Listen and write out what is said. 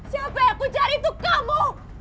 siapa yang aku cari tuh kamu